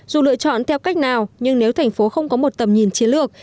dù lựa chọn theo cách nào nhưng nếu thành phố không có một tầm nhìn chiến lược